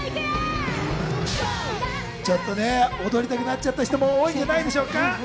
踊りたくなっちゃった人も多いんじゃないでしょうか。